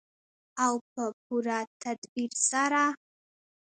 او په پوره تدبیر سره.